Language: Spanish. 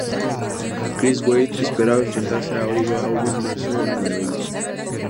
Chris Wade esperaba enfrentarse a Olivier Aubin-Mercier en el evento.